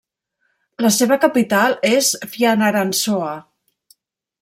La seva capital és Fianarantsoa.